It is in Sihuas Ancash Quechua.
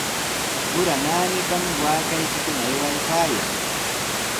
Ura naanipami waakaykikuna aywaykaayan.